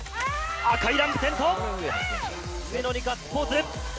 赤いランプ点灯、上野にガッツポーズ。